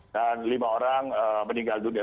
dan lima orang meninggal dunia